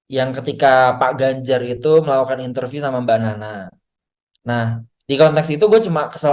yang ketika pak ganjar itu melakukan interview sama mbak nana nah di konteks itu gue cuma kesel